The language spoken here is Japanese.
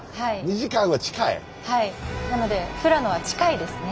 なので富良野は近いですね。